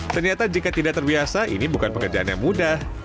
ternyata jika tidak terbiasa ini bukan pekerjaan yang mudah